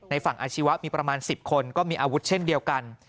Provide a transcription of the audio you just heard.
ฝั่งอาชีวะมีประมาณ๑๐คนก็มีอาวุธเช่นเดียวกัน